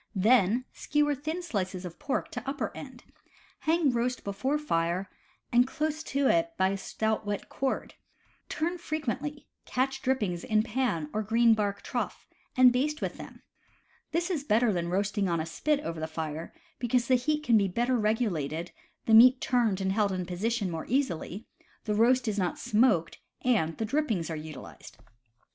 Then skewer thin slices of pork to upper end; hang roast before fire and close to it by a stout wet cord; turn fre quently; catch drippings in pan or green bark trough, and baste with them^ This is better than roasting on a spit over the fire, because the heat can be better regulated, the meat turned and held in position more easily, the roast is not smoked, and the drippings are utilized.